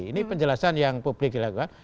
ini penjelasan yang publik dilakukan